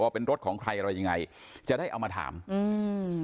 เป็นรถของใครอะไรยังไงจะได้เอามาถามอืม